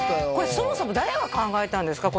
そもそも誰が考えたんですか？